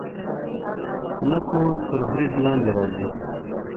نکو تر برید لاندې راځي.